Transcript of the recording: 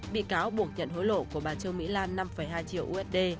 bị cáo buộc nhận hối lộ của bà trương mỹ lan năm hai triệu usd